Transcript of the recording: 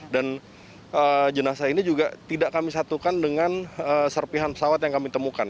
dan jenazah ini juga tidak kami satukan dengan serpihan pesawat yang kami temukan